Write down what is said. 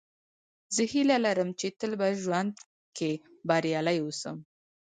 زه هیله لرم، چي تل په ژوند کښي بریالی اوسم.